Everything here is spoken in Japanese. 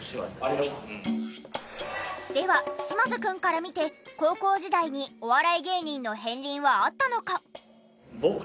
では嶋津くんから見て高校時代にお笑い芸人の片鱗はあったのか？